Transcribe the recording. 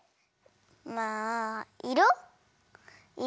まあいろ。